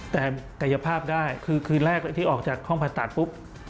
แต่กายภาพได้คือคืนแรกที่ออกจากห้องผ่าตัดปุ๊บ